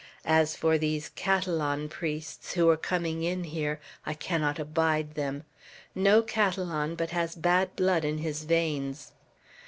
As for these Catalan priests who are coming in here, I cannot abide them. No Catalan but has bad blood in his veins!"